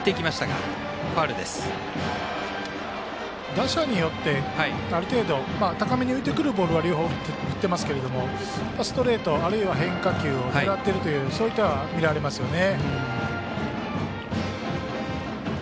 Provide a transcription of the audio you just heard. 打者によって、ある程度高めに浮いてくるボールは両方、振ってますがストレートあるいは変化球を狙っているというようなそういったのは見られますよね。